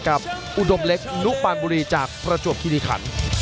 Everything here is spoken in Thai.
อุดมเล็กนุปานบุรีจากประจวบคิริขัน